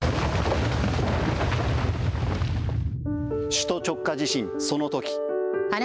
首都直下地震、そのとき。